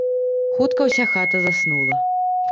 Хутка ўся хата заснула.